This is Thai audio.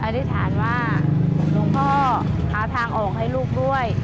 อธิษฐานว่าหลวงพ่อหาทางออกให้ลูกด้วย